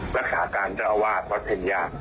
รักษาการเจ้าอาวาสวัดเพ็ญญาติ